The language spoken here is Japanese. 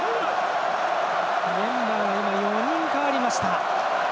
メンバー、４人代わりました。